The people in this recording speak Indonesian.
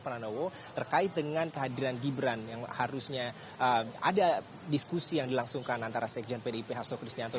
pranowo terkait dengan kehadiran gibran yang harusnya ada diskusi yang dilangsungkan antara sekjen pdip hasto kristianto